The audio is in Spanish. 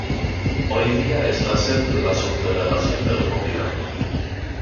Hoy día es la Sede de la Subdelegación del Gobierno.